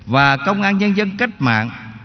và công an nhân dân cách mạng